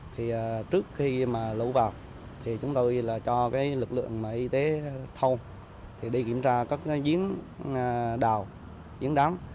thì trước khi lũ vào chúng tôi cho lực lượng y tế thông để kiểm tra các diễn đào diễn đám